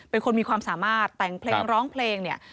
เป็นคนมีความสามารถแต่งเพลงร้องเพลงเนี่ย